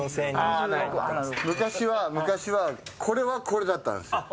昔は昔はこれはこれだったんです。